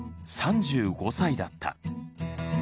３５歳だった。